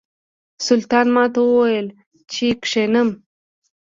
سلطان ماته وویل چې کښېنم.